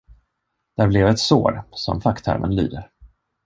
Där blev ett sår, som facktermen lyder.